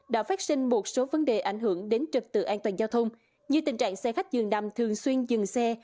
đã phát sinh một số vấn đề ảnh hưởng đến trực tự an toàn giao thông như tình trạng xe khách dường nằm thường xuyên dừng xe